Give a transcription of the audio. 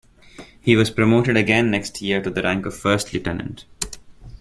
He was promoted again next year to the rank of first lieutenant.